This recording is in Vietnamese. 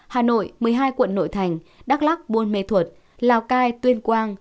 hà nội một mươi hai quận nội thành đắk lắc buôn mê thuật lào cai tuyên quang